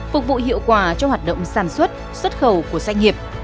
phục vụ hiệu quả cho hoạt động sản xuất xuất khẩu của doanh nghiệp